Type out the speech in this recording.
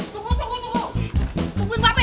tunggu tunggu tunggu tungguin pape